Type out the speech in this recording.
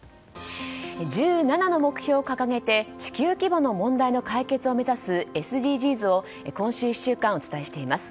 １７の目標を掲げて地球規模の問題の解決を目指すＳＤＧｓを今週１週間お伝えしています。